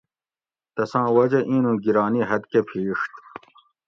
تساں وجہ اِینوں گِرانی حد کہ پِھیڛت